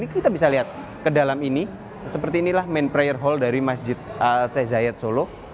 kita bisa lihat ke dalam ini seperti inilah main prior hall dari masjid al sheikh zayed solo